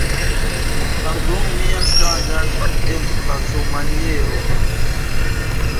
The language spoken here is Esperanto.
Pardonu mian strangan emfazomanieron.